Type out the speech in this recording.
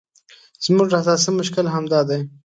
زموږ اساسي مشکل همدا دی.